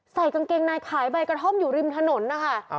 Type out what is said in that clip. ใส่กางเกงในขายใบกระท่อมอยู่ริมถนนนะคะ